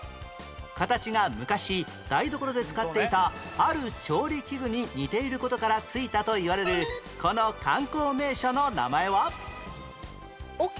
形が昔台所で使っていたある調理器具に似ている事から付いたといわれるこの観光名所の名前は？おけ？